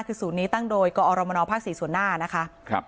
คือศูนย์นี้ตั้งโดยกอรมนภ๔ส่วนหน้านะคะ